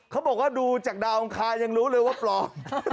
เขาบอกว่าดูจากดาวอังคารยังรู้เลยว่าปลอม